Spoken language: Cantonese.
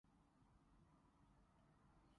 新鮮出爐麵包